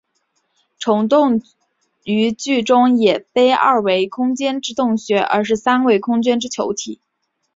虫洞于剧中也非二维空间之洞穴而是三维空间之球体。